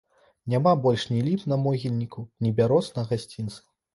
Няма больш ні ліп на могільніку, ні бяроз на гасцінцы.